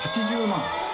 ８０万？